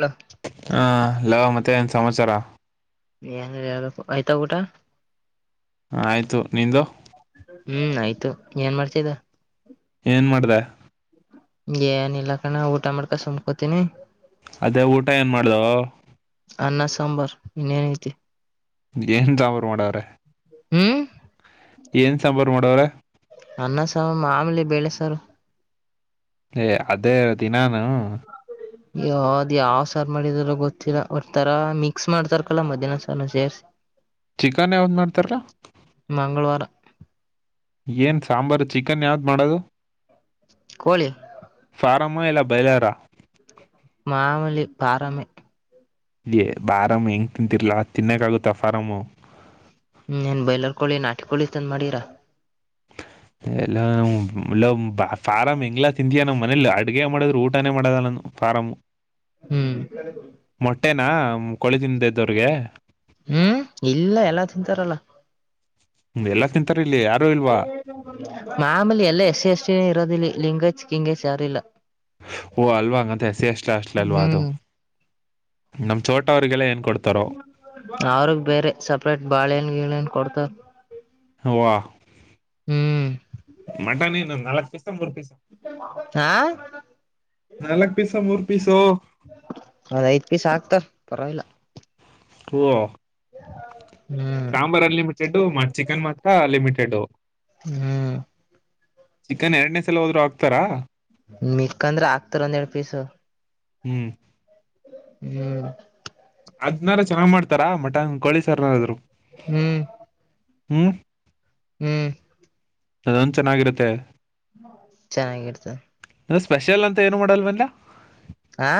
ಹೇಳ ಹಾ ಹಲೋ ಮತ್ತೆ ಏನ್ ಸಮಾಚಾರ ಯಾರ ಯಾರ ಆಯ್ತಾ ಊಟ ಹ ಆಯ್ತು ನಿಂದು ಹು ಆಯ್ತು ಏನ್ ಮಾಡ್ತೀರಾ ಏನ್ ಮಾಡ್ದೆ ಏನಿಲ್ ಕಣೋ ಊಟ ಮಾಡ್ಕೊಂಡ್ ಸುಮ್ನೆ ಕುಂತೀನಿ ಅದೇ ಊಟ ಏನ್ ಮಾಡ್ದೋ ಅಣ್ಣ ಸಾಂಬಾರ ಇನ್ನೇನ್ ಐತಿ ಏನ್ ಸಾಂಬಾರ್ ಮಾಡೋರೆ ಹು ಏನ್ ಸಾಂಬಾರು ಮಾಡವರೇ ಅನ್ನ ಸಾರು ಮಾಮೂಲಿ ಬೇಳೆ ಸಾರು ಏ ಅದೇ ದಿನಾನ ಅಯ್ಯೋ ಅದು ಯಾವ ಸಾರ ಮಾಡಿದರ ಗೊತ್ತಿಲ್ಲ ಒಂತರಾ ಮಿಕ್ಸ್ ಮಾಡ್ತಾರ ಕಣ್ಲಾ ಮಧ್ಯಾಹ್ನ ಸಾರನು ಸೇರ್ಸಿ ಚಿಕನ್ ಯಾವಾಗ ಮಾಡ್ತಾರಲ್ಲ ಮಂಗಳವಾರ ಏನ್ ಸಾಂಬಾರು ಚಿಕನ್ ಯಾವದ ಮಾಡೋದು ಕೋಳಿ ಪ್ಲಮ್ಮು ಇಲ್ಲ ಬೈಲರ ಮಾಮೂಲಿ ಪಾರಾಮೆ ಏ ಫಾರಂ ಹೆಂಗ ತಿಂತರ್ಲಾ ತಿನ್ನಕ್ಕ ಆಗುತ್ತ ಫಾರಂ ಹು ಏನ್ ಬಯಲರ್ ಕೋಳಿ ನಾಟಿ ಕೋಳಿ ತಂದ ಮಾಡಿರಾ ಇಲ್ಲ ನಾವು ಫಾರಂ ಹೆಂಗಲ ತಿಂತಿ ನಮ್ಮ ಮನೆಯಲ್ಲಿ ಅ ಅಡ್ಗೆ ಮಾಡಿದ್ರು ಊಟನೇ ಮಾಡದ ನಾನು ಾರಾಮ್ ಹ್ಮ್ ಕೊಳದಿಂದ ಇದದ್ದವ್ರಿಗೆ ಹ್ಮ್ ಇಲ್ಲ ಎಲ್ಲಾ ತಿಂತಾರಲ್ಲ ಹ್ಮ್ ಎಲ್ಲಾ ತಿಂತ ಮಾಮೂಲಿ ಎಲ್ಲ ಎಷ್ಟೆ ಎಷ್ಟಿನ ಇರೋದಿಿಲ್ಲ ಲಿಂಗಜ್ ಕಿಂಗಜ್ ಯಾರಿಲ್ಲ ಓ ಅಲ್ವಾ ಹಂಗಂತ ಎ ಸಿ ಎಷ್ಟ ಅಷ್ಟಲ ಅಲ್ವಾ ಅದು ಹ್ಮ್ ನಮ ಚೋಟ ಅವ್ರಿಗೆಲ್ಲ ಏನ್ ಕೊಡ್ತಾರೋ ಅವ್ರಗ್ ಬೇರೆ ಸಪ್ರೇಟ್ ಬಾಳೆನ್ನ್ ಕೊಡ್ತಾರ ಹ್ಮ್ ಮಟನ್ ಇ ನಲ್ಕು ಪೀಸ ಮೂರು ಪೀಸ್ ಹಾ ನಾಲ್ಕ್ ಪೀಸ ಮೂರ್ ಪೀಸು ಅದ ಐದು ಪೀಸ್ ಆಗ್ತವ ಪರವಾಗಿಲ್ಲ. ಓ ಹ್ಮ್ ಸಾಂಬಾರ್ ಅನ್ಲಿಮಿಟೆಡ್, ಚಿಕನ್ ಮತ್ತ ತಾ ಲಿಮಿಟೆಡ್. ಹ್ಮ್. ಚಿಕನ್ ಎರಡನೇ ಸಲ ಹೋದ್ರು ಹಾಕ್ತರಾ. ಮೀಕಂದ್ರೆ ಹಾಕ್ತಾರೆ ಒಂದ್ ಎರಡು ಪೀಸ್. ಹ್ಮ್. ಹ್ಮ್. ಅದ್ನಾರ ಚೆನ್ನ್ಗ ಮಾಡ್ತಾರಾ ಮಟನ್ ಕೋಳಿ ಸಾರನಾರಾದ್ರು. ಹ್ಮ್ ಹ್ಮ್, ಹ್ಮ್. ಅದೊಂದ ಚೆನ್ನಾಗಿರುತ್ತೆ. ಚೆನ್ನಾಗಿರ್ತದೆ. ಹ ಸ್ಪೆಷಲ್ ಅಂತ ಏನು ಮಾಡಲ್ವೇನ್ಲಾ. ಹಾ,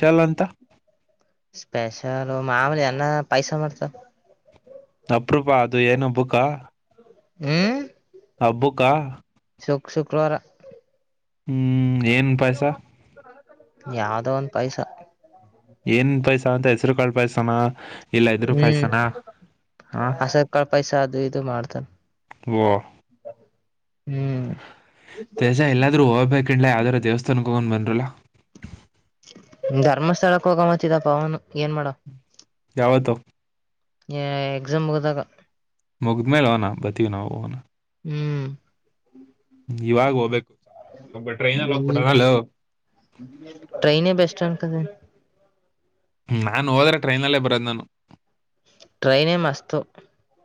ಷಲ್ಲ ಅಂತ ಸ್ಪೆಷಲ್ ಮಾಮೂಲಿ ಅನ್ನ, ಪಾಯ್ಸ, ಮಾಡ್ತ ಅಪರೂಪ ಅದ ಏನ್ ಅಬುಕ್ಕ. ಹ್ಮ್. ಹಬ್ಬುಕಾ, ಶುಕ್ ಶುಕ್ರವಾರ, ಹ್ಮ್ ಏನ್ ಪಾಯ್ಸ. ಯಾವ್ದೋ ಒಂದ್ ಪಾಯ್ಸ. ಏನ್ ಪಾಯಸ ಅಂತ ಹೆಸರು ಕಾಳ ಪಾಯಸನಾ ಇಲ್ಲ ಇದ್ರ ಪಾಯಸನಾ. ಆಸ ಕಾಳ ಪೈಸ ಅದು ಇದು ಮಾಡ್ತರೆ. ಓ ಹ್ಮ್. ತೇಜಾ ಎಲ್ಲಾದ್ರೂ ಹೋಗ್ಬೇಕನ್ಲ್ ಯಾವ್ದಾರೂ ದೇವಸ್ಥಾನಕ್ಕೆ ಹೋಗೋಣ ಬನ್ರಲ್ಲಾ, ಧರ್ಮಸ್ಥಳಕ್ ಹೋಗ ಮತ್ತಿದ ಪವನ್. ಏನ್ ಮಾಡ ಯಾವತ್ತು. ಎಕ್ಸಾಮ್ ಮುಗದಾಗ, ಮುಗುದ್ಮೇಲೆ [unintelligible] ಬತೀವಿ ನಾವುನು. ಹ್ಮ್. ಇವಾಗ ಹೋಗ್ಬೇಕು. ಈ [unintelligible] ಹಲೋ ಟ್ರೈನೇ ಬೆಸ್ಟ್ ಅನ್ಕತೀನಿ ನಾನು ಹೋದ್ರೆ ಟ್ರೈನಲ್ಲೇ ಬರದ್ ನಾನು. ಟ್ರೈನೆೇ ಮಸ್ತು.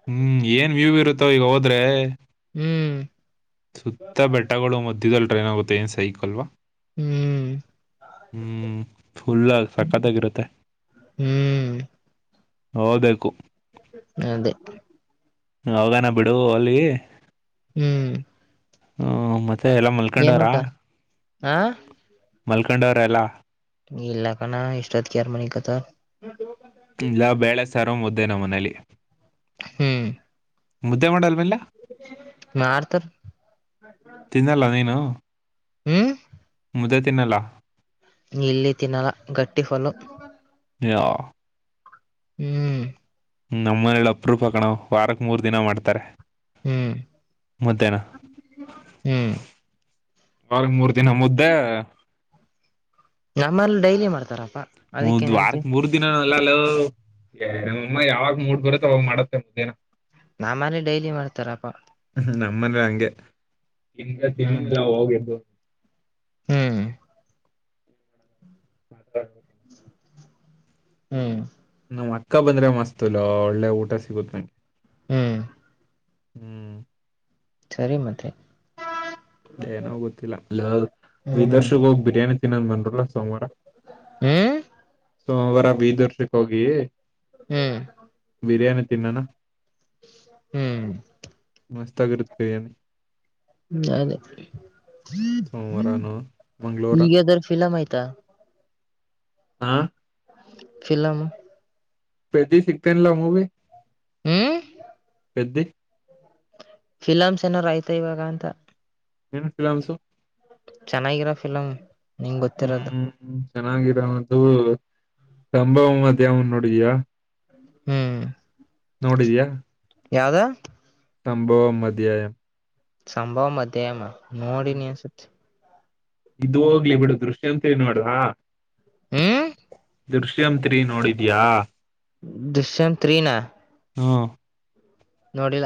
ಹ್ಮ್ ಏನ್ ವ್ಯೂವ ಇರುತ್ತೋ ಈಗ ಹೋದ್ರೆ. ಹ್ಮ್ ಸುತ್ತ ಬೆಟ್ಟಗಳು ಮಧ್ಯ್ದದಲ್ಲಿ ಟ್ರೈನ್ ಹೂಗುತ್ತೆ ಏನ್ ಸೈಕ್ಲ್ವಾ. ಹ್ಮ್ ಹ್ಮ್ ಫುಲ್ಲ ಸಕತ್ತಾಗಿರುತ್ತೆ. ಹ್ಮ್ ಹೊಬೇಕು. ಅದೇ, ಹೋಗನ ಬಿಡು ಅಲ್ಲಿ, ಹ್ಮ್. ಹ್ಮ ಮತ್ತೆ ಎಲ್ಲ ಏನ್ ಮಲ್ಕೊಂಡವರ, ಊಟ ಆ ಮಲ್ಕೊಂಡವರ ಎಲ್ಲಾ, ಇಲ್ಲ ಕಣೋ ಇಷ್ಟೊತ್ತಿಗೆ ಯಾರ ಮನಿಕಂತ್ತಾರೆ. ಇದೇ ಮನೇಲಿ. ಹ್ಮ್. ಮುದ್ದೆ ಮಾಡಲ್ವೇನ್ಲಾ, ಮಾಡ್ತಾರ ತಿನ್ನಲ್ಲ ನೀನು. ಹ್ಮ. ಮುದ್ದೆ ತಿನ್ನಲ್ಲ. ಇಲ್ಲಿ ತಿನ್ನಲ ಗಟ್ಟಿ ಕಲ್ಲು. ಯಾವ ಹ್ಮ್ ನಮ್ಮ ಮನಲಿ ಅಪ ರೂಪಕಣ ವಾರಕ್ ಮೂರ್ ದಿನ ಮಾಡ್ತಾರೆ ಹ್ಮ್ ಮುದ್ದೆನ ಹ್ಮ್ ವರ್ಗ್ ಮೂರ್ ದಿನ ಮುದ್ದೆ ನಮ್ಮಲ್ಲಿ ಡೈಲಿ ಮಾಡ್ತಾರಪ್ಪಾ ಮೂ ವಾರಕ್ ಮೂರು ದಿನ ಲ್ಲ ನಮ್ಮಮ್ಮ ಯಾವಾಗ ಮೂಡ್ ಬರುತ್ತೆ ಅವಾಗ ಮಾಡತ್ತೆ ಮುದ್ದನ ನನೆ ಡೈಲಿ ಮಾಡ್ತಾರಪ್ಪ ನಮ್ಮನ್ ಹಂಗೆ ಇಿಂದ ಹ್ಮ್ ತಿನ್ನುದಿಲ್ಲ ಹೋಗಿದ್ದು ಹ್ಮ್ ಹ ಹ್ಮ್ ನಮ್ಮ್ ಅಕ್ಕ ಬಂದ್ರೆ ಮಸ್ತಲ್ಲ ಒಳ್ಳೆ ಊಟ ಸಿಗುತ್ತ ನಂಗೆ ಹ್ಮ್ ಹ್ಮ್ ಸರಿ ಮತ್ತೆ ಏನೋ ಗೊತ್ತಿಲ್ಲಲ್ಲ ಹ್ಮ್ ವಿದರ್ಶಗ ಹೋಗ್ ಬಿರಿಯಾನಿ ತಿನ್ನದ್ ಬಂದರಲ್ಲ ಸೋಮವಾರ ಹ್ಮ ಸೋಮವಾರ ಬೀದರ್ಷಕ್ ಹೋಗಿ ಹ್ಮ್ ಬಿರಿಯಾನಿ ತಿನ್ನಣ ಹ್ಮ್ ಮಸ್ತ ಆಾಗಿರುತ್ತೆ ನೆ ಅದೇ ಸೋಮವಾರನು ಮಂಗಳವಾರ ಈಗದ್ರ ಫಿಲಮ್ ಆಯ್ತಾ ಹಾ ಲಮ ಪ್ರತಿ ಸಿಗ್ತೇನಲ್ಲ ಮೂವಿ ಹ್ಮ್ ಪೆ್ದ ಫಿಲಮ್ಸ್ ಏನಾರ್ ಆಯ್ತಾ ಇವಾಗ ಅಂತ ಏನುಫಲಾಂಸು ಚನ್ನೈಗರಫಲಾಮ ಹ್ಮ್ ಚೆನ್ನಾಗಿರ್ದ ಸಂಭವ ಅದವು ನೋಡಿದಿಯಾ ಹ್ಮ್ ನೋಡಿದ್ಯಾಾ ಯಾವ್ದ ಸಂಭವ ಮಧ್ಯಾಯ ಸಂಭವ ಮಧ್ಯಾಯ ನೋಡಿ ನೀಿ ಅನ್ಸತ್ ಇ ಹೋಗ್ಲಿ ಬಿಡು ದೃಶ್ಯಂತೇಳ ನೋಡುವ ಹ್ಮ್ ದೃಶ್ಯಂತ್ರಿ ನೋಡಿದ್ಯಾಾ ದುಶ್ಯಂತ್ೀಿನ ಹಾ ನೋಡಿಲ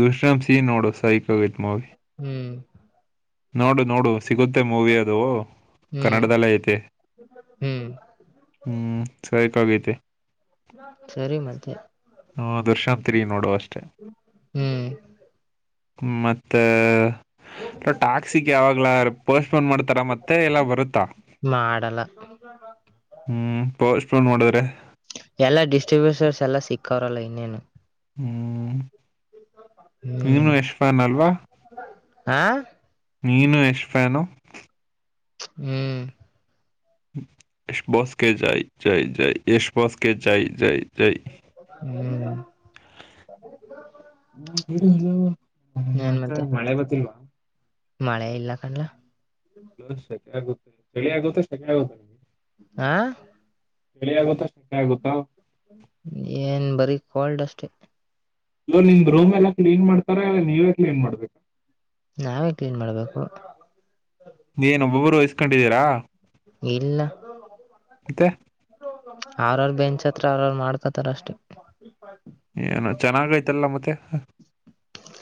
ದುಶ್ರಂತ್ ಸೀ ನೋಡು ಸೈಕ್ ಆಗೈತ್ ಮವಿ ಹ್ಮ್ ನೋಡು ನೋಡು ಸಿಗುತ್ತೆ ಮೂವಿ ಅದು ಕನ್ನಡದಲ್ಲೇ ಐತೆ ಹ ಸೈಕಾಗೈತೆನ್ ಸರಿ ಮತ್ತೆ ಹ್ಮ ದರ್ಶಾಂತರಿ ನೋಡುವ ಅಷ್ಟೆ ಹ್ಮ್ ಮತ್ತ ಟ್ಯಾಕ್ಸಿಿಗೆ ಯಾವಾಗ್ಲ ಪೋಸ್ಟ್ಪೋನ್ ಮಾಡ್ತಾರ ಮತ್ತೆ ಎಲ್ಲ ಬರುತ್ತಾ ಮಾಡಲ್ಲ ಹ್ಮ್ ಪೋಸ್ ಪೊಂಡ್ ಮಾಡಿದ್ರೆ ಎಲ್ಲಾ ಡಿಸ್ಟ್ರಿಬ್ಯೂಟರ್ಸ್ ಎಲ್ಲಾ ಸಿಕ್ಕವ್ರಲ್ಲ ಇನ್ನೇನು ಹ್ಮ್ ಹ್ಮ್ ನೀನು ಯಶ್ಫಾನ್ ಅಲ್ವಾ ಹಾ ನೀನು ಇಷ್ಫಾನು ಹ್ಮ್ ಎಸ್ ಬಸ್ಗೆ ಜಾಯ ಜೈ ಜೈ ಎಸ್ ಬಸ್ಗೆ ಜಾಯ ಜೈ ಚೈ ಹ್ಮ್ ಹ ಮತ್ತೆ ಮಳೆ ಗೊತ್ತಿಲ್ವಾ ಮಳೆ ಇಲ್ಲ ಕಣಲ ಸೆಕ ಆಗುತ್ತೆ ಚಳಿ ಆಗುತ್ತೆ ಸೆಕ ಆಗುತ್ತೆ ನಮಗೆ ಹಾ ಬೆಳಿ ಆಗುತ್ತಾ ಸಕ ಆಗುತ್ತಾ ಏನ್ ಬರೀ ಕೋಲ್ಡ್ ಅಷ್ಟೆ ಇಲ್ಲ ನಿಮ್ ರೂಮ್ ಎಲ್ಲ ಕ್ಲೀನ್ ಮಾಡ್ತಾರ ಇಲ್ಲ ನೀವೇ ಕ್ಲೀನ್ ಮಾಡ್ಬೇಕ ನಾವೇ ಕ್ಲೀನ್ ಮಾಡ್ಬೇಕು ನೀಏನ್ ಒಬ್ಬೊಬ್ಬರು ವಹಿಸ್ಕೊಂಡಿದ್ದೀರಾ ಇಲ್ಲ ಇಂತ ಅವ್ರವ್ರ ಬೆಂಚ್ ಹತ್ರ ಅವ್ರವ್ರು ಮಾಡ್ಕತ್ತಾರ ಅಷ್ಟೆ ಏನು ಚೆನ್ನಾಗ್ತಲ್ಲ ಮತ್ತೆ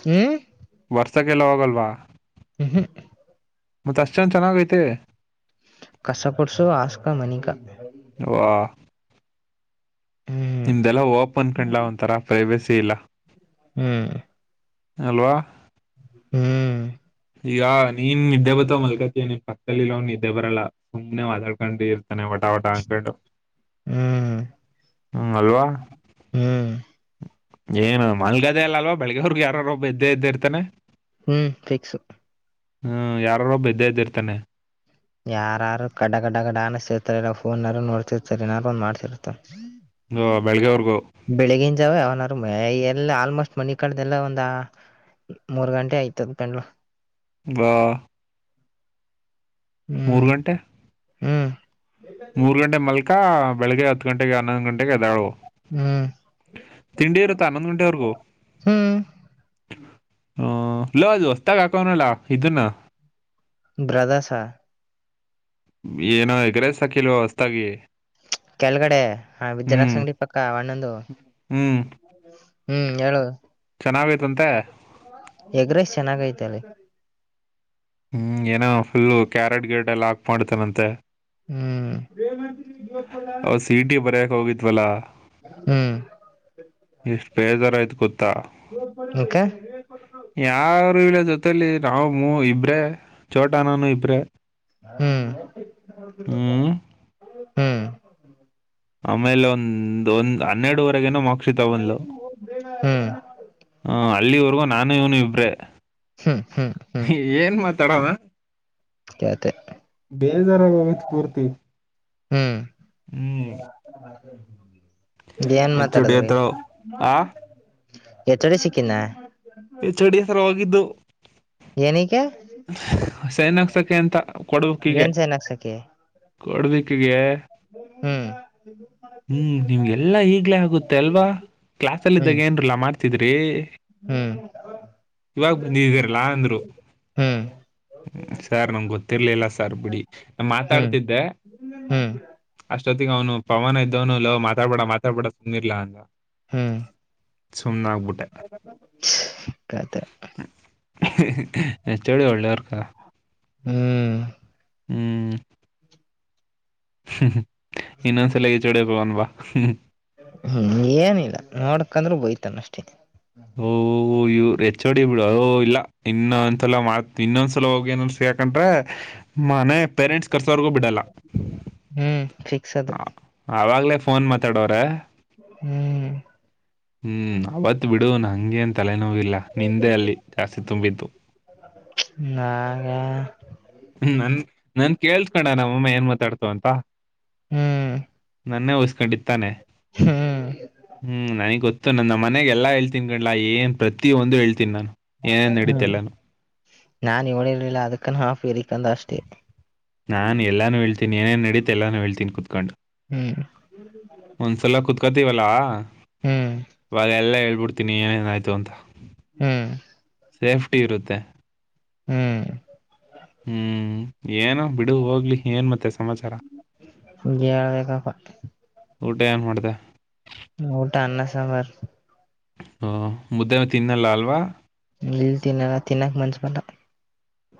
ಹ್ಮ ಪಸಕ್ಕೆಲ್ಲ ಹೋಗಲ್ವಾ ಹ್ಮ ಹ್ಮ ಮತ್ತತ್ ಅಷ್ಟ್ ಜನ ಚೆನ್ನಾಗ ಐತೆ ಕಸಪುಡ್ಸು ಆಸ್ಕಾ ಮನಿಕಾ ವಾ ಹ್ಮ್ ನಿಮ್ದೆಲ್ಲ ಓಪನ್ ಕಂಡ್ಲ ಒಂತರ ಪ್ರೈವಸಿ ಇಲ್ಲ ಹ್ಮ್ ಅವಾ ಹ್ಮ್ ಈಗ ನೀನ್ ನಿದ್ದೆ ಬತವ ಮಲ್ಕತಿ ನೀನ್ ಪಕ್ಕದಲ್ಲಿ ಅವ್ ಇದಿದ್ದೆ ಬರಲ್ಲಾ ಸುಮ್ಮನೆ ವತಾಡ್ಕೊಂಡಿ ಅನ ಒಟಾವಟಾಕಟ್ಟು ಹ್ಮ್ ಹ್ಮ್ ಅಲ್ವಾ ಹ್ಮ್ ಏನು ಮಾಲ್ಗಾದೆ ಅಲ್ಲ ಅಲ್ವಾ ಬೆಳಗ್ಗೆ ಹೊರ್ಗ್ ಯಾರಾರೊಬ್ ಎ ಇದ್ದೇ ಇದ್ದೆ ಇರ್ತಾನೆ ಹ್ಮ್ ಫಿಕ್ಸ್ ಹ್ಮ್ ಯಾರಾರ ಒಬ್ ಇದ್ದೇ ಇದದ್ದಿ ಇರ್ತಾನೆ ಯಾರಾರು ಕಡ ಗಡ ಗಡಾಣನ್ಸ್ರ್ತಾರೆಲ್ಲ ಫೋನ್ ನೋಡ್ತಿರ್ತಾರೆ ನಾದಾರು ಒಂದ ಮಾಡಸತಿರ್ತಾರೆ ಇ ಬೆಳಗ್ಗೆವರ್ಗೂ ಬೆಳಿಗಿನ ಜಾವ ಅವನಾರು ಎಲ್ಲ ಆಲ್ಮೋಸ್ಟ್ ಮನ ಕಳ್ದಲ್ಲ ಒಂದ ಮೂರ್ ಗಂಟೆ ಆಯ್ತದ ಪಂಡಲ ವಾ ಮೂರು ಹ್ಮ್ ಗಂಟೆ ಹ್ಮ್ ಮೂರ್ ಗಂಟೆ ಮಲಕ ಬೆಳಿಗ್ಗೆ ಹತ್ತು ಗಂಟೆಗೆ ಹನ್ನೊಂದು ಗಂಟೆಗೆ ಅದಾಳು ಹ್ಮ್ ತಿಂಡಿಯವರುತ್ತು ಅನ್ನೊಂದು ಗಟೆವರ್ಗೋ ಹ್ಮ್ ಹ್ಮ ಲದುು ಹೊತಾಗಕನಲ್ಲ ಇದುನ್ನ ಬ್ರದರ್ಸ ಏನೋ ಹೆಗ್ರ ಸಾಕಿಲ್ವ ಹೊಸತಾಗಿ ಕೆಲ್ಗಡೆ ಹ ವಿದ್ಯಾರಾ್ ಸಂಂಗಡಿ ಪಕ್ಕ ಒನ್ನೊಂದು ಹ್ಮ್ ಹ್ಮ್ ಹೇಳುದು ಇದಂತೆ ಹೆಗ್ರಸ್ ಚೆನ್ನಾಗ ಐತಲ್ಲ ಹ್ಮ್ ಏನೋ ಫುಲ್ಲು ಕ್ಯಾರೆಟ್ ಗೇಟ್ ಎ ಲಾಕ್ ಮಾಡ್ತಾನಂತೆ ಹ್ಮ್ ಅವ ಸಿ ಇ ಟಿ ಬರಕ್ ಹೋಗಿತ್ವಲಾ ಹ್ಮ್ ಎಷ್ಟು ಬೇಜಾರ ಆಯ್ತು ಗೊತ್ತಾ ಅಕ ಯಾರ ಇಲ ಜೊತಲಿ ನಾವ ಇಬ್ರೇ ಚೋಟ ನಾನು ಇಬ್ರೆ ಹ್ಮ್ ಹ್ಮ್ ಹ್ಮ್ ಆಮೇಲೆ ಒಂದ ಒಂದ್ ಹನ್ನೆರಡುವರೆಗೇನೋ ಮಕ್ಕ ಸಕ್ಷಿತ ಬಂದ್ಲು ಹ್ಮ್ ಹ ಅಲ್ಲಿವರೆಗೂ ನಾನು ಇವನು ಇಬ್ರೆ ಹ್ಮ್ ಹ್ಮ್ ಹ್ಮ ತಡ ಬೇಜಾರೋಗತ್ ಪೂರ್ತಿ ಹ್ಮ್ ಹ್ಮ್ ಏನ್ ಎಚ್ ಒ ಡಿ ಮಾತಾಡದಿ ಹತ್ರ ಆ ಎಚ್ಚಡೆ ಸಿಕ್ಕಿನ ಈ ಚಡಿ ಹಸತ್ರ ಹೋಗಿದ್ದು ಏನಕ್ಕೆ ಸೈನ್ಕ್ಸಕ್ಕೆ ಅಂತ ಕೊಡುಕೀಗೆ ಏನ್ ಸೈನ್ ಹಾಕ್ಸಕಿ ಕಡದಕ್ಕೆಗೆ ಹ್ಮ್ ಹ್ಮ್ ನಿಮ್ಗೆಲ್ಲಾ ಈಗ್ಲೇ ಆಗುತ್ತೆ ಅಲ್ವಾ ಕ್ಲಾಾಸಲ್ಲಿದ್ದಾಗ ಹ್ಮ್ ಏನ್ರಲ್ಲ ಮಾತ್ರ ದ್ರಿ ಹ್ಮ್ ಇವಾಗ ಬಂದಿದ್ದಿದೀರಲ್ಲಾ ಅಂದ್ರು ಹ್ಮ್ ಸಾರ್ ನಮಗೆ ಗೊತ್ತಿರ್ಲಿಲ್ಲ ಸಾರ್ ಬಿಡಿ ನಾ ಹ್ಮ್ ಮಾತಾಡ್ತಿದ್ದೆ ಹ್ಮ್ ಅಷ್ಟೊತ್ತಿಗೆ ಅವನು ಪವನ ಇದ್ದವನು ಲವ್ ಮಾತಾಡ್ಬೇಡ ಮಾತಾಡ್ಬೇಡ ತು್ಿರ್ಲಾ ಅಂದ ಹ್ಮ್ ಸುಮ್ನೆ ಆಗ್ಬಿಟ್ಟೆ ಕತೆ ಚಳ ಒಳ್ಳವರ್ಕಾ ಹ್ಮ್ ಹ್ಮ್ ಹ್ಮ ಇನ್ನೊಂದು ಸಲಗಚೂಡಿಯ ಪವನ್ವಾ್ಮ ಹ್ಮ್ ಏನಿಲ್ಲ ನೋಡ್ಕಂದ್ರೂ ಬೋಯ್ತಾನ ಅಷ್ಟೇ ಓಹ ಇವ ಹೆಚ್ ಹೊಡಿ ಬಿಡು ಅ ಇಲ್ಲ ಇನ್ನ ಅಸಲತ್ ಇನ್ನೊಂದ್ಸಲ ಹೋಗಿ ಏನನ್ಸ ಯಾಕಂದ್ರ ಮನೆ ಪೇರೆಂಟ್ಸ್ ಕರ್ಸವರ್ಗೂ ಬಿಡಲ್ಲ ಹ್ಮ್ ಫಿಕ್ಸ್ ಅದು ಆವಾಗ್ಲೇ ಫೋನ್ ಮಾತಾಡವ್ರೆ ಹ್ಮ್ ಹ್ಮ್ ಅವತ್ ಬಿಡು ನ ಹಂಗೆಏನ್ ತಲೆ ಿಲ್ಲ ನಿಂದೆ ಅಲ್ಲಿ ಜಾಸ್ತಿ ತುಂಬಿದ್ದು ನಾಗ ನನ್ ನನ್ ಕೇಳ್ಸ್ಕಣ ನಮ್ಮಮ್ಮ ಏನ್ ಮಾತಾಡ್ತವ ಅಂತ ಹ್ಮ್ ನನ್ನೇ ವಸ್ಕೊಂಡಿತ್ತಾನೆ ಹ್ಮ್ ಹ್ಮ್ ನನಗ್ ಗೊತ್ತ ಇ ನನ್ನ ಮನೆಗೆ ಎಲ್ಲಾ ಹೇಳ್ತೀನ್ಿ ಕಂಡ್ಲಾ ಏನ್ ಪ್ರತಿಯಂದು ಹೇಳ್ತೀನಿ ನಾನು ಏನೇನ್ ನಡೀತಲ್ಲಾನು ನಾ ಇವಳ ಇರ್ಲಿಲ್ಲ ಅದಕ್ಕನ್ನು ಹಾಫ್ ಏರಿಕಂದ ಅಷ್ಟೆ ನಾನ್ ಎಲ್ಲಾನು ಹೇತೀನಿ ಏನೇನ್ ನಡೀತ ಎಲ್ಲಾನು ಹೇಳ್ತೀನಿ ಕುತ್ಕೊಂಡು ಹ್ಮ್ ಒಂದ್ಸಲ ಕುೂತ್ಕೋತವಲ್ಲ ಹ್ಮ್ ಇವಾಗ ಎಲ್ಲ ಹೇಳ್ಬಿಡ್ತ ತಿಿನಿ ಏನೇನಾಯಿತು ಅಂತ ಹ್ಮ್ ಸೇಫ್ಟಿ ಇರುತ್ತೆ ಹ್ಮ್ ಹ್ಮ್ ಏನ ಬಿಡು ಹೋಗ್ಲಿ ಏನ್ ಮತ್ತೆ ಸಮಾಚಾರ ಳುವೇಕಪ್ಪ ಊಟ ಏನ್ ಮಾಡ್ದ ಊಟಾ ಅನ್ನ ಸಾಂಬಾರ ಹ ಮುದ್ದ ತಿನ್ನಲ್ಲ ಅಲ್ವಾ ಇಲ್ ತಿನ್ನಲ್ಲ ತಿನ್ನಕ್ ಮಂಚ ಬಲ್ಲ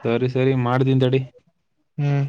ಸರಿ ಸರಿ ಮಾಡ್ತಿನಿತಡಿ ಹ್ಮ್